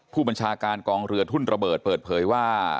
ผู้บัญชาการกองเรือทุ่นระเบิดเปิดเผยว่า